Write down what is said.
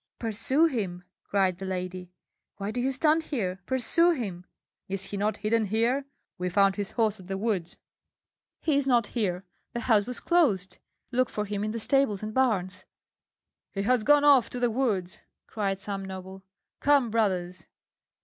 "Pursue him!" cried the lady. "Why do you stand here? Pursue him!" "Is he not hidden here? We found his horse at the woods." "He is not here! The house was closed. Look for him in the stables and barns." "He has gone off to the woods!" cried some noble. "Come, brothers."